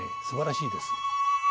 すばらしいです。